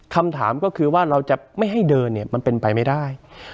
คำถามก็คือว่าเราจะไม่ให้เดินเนี่ยมันเป็นไปไม่ได้